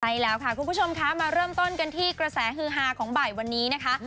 ใช่แล้วค่ะคุณผู้ชมคะมาเริ่มต้นกันที่กระแสฮือฮาของบ่ายวันนี้นะคะ